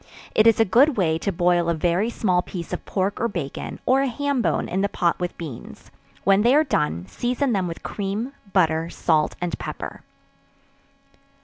It is a good way to boil a very small piece of pork or bacon, or a ham bone in the pot with beans; when they are done, season them with cream, butter, salt and pepper.